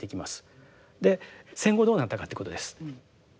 戦後どうなったかっていうことです。